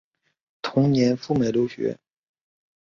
同年赴美留学。